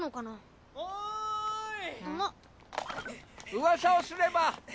うわさをすれば！